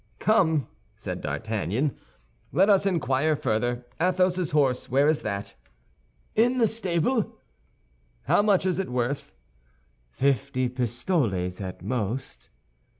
"Come," said D'Artagnan, "let us inquire further. Athos's horse, where is that?" "In the stable." "How much is it worth?" "Fifty pistoles at most."